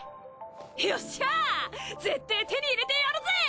よっしゃあ！ぜって手に入れてやるぜ！